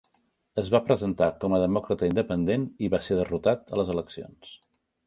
Es va presentar com a demòcrata independent i va ser derrotat a les eleccions.